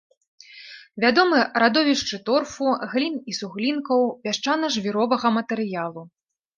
Вядомы радовішчы торфу, глін і суглінкаў, пясчана-жвіровага матэрыялу.